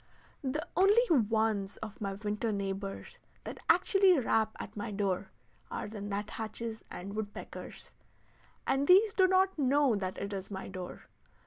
The only ones of my winter neighbors that actually rap at my door are the nut hatches and woodpeckers, and these do not know that it is my door.